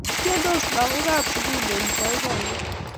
Tiendos lagokab sukul eng boiboiyet